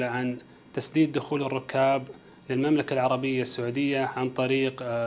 untuk memperkenalkan para tamu awal ke kedai arab saudi